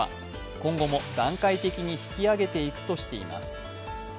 今後も段階的に引き上げていくとしています。